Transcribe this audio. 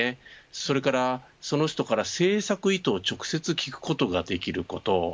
それから、その人から製作意図を直接聞くことができること。